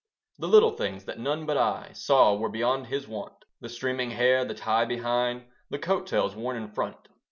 The little things that none but I Saw were beyond his wont, The streaming hair, the tie behind, The coat tails worn in front.